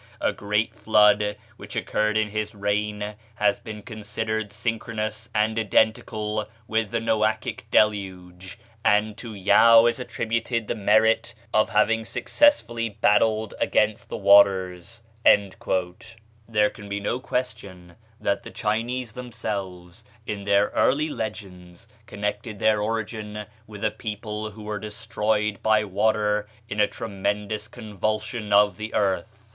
A great flood, which occurred in his reign, has been considered synchronous and identical with the Noachic Deluge, and to Yau is attributed the merit of having successfully battled against the waters." There can be no question that the Chinese themselves, in their early legends, connected their origin with a people who were destroyed by water in a tremendous convulsion of the earth.